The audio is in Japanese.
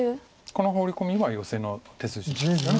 このホウリコミはヨセの手筋ですよね。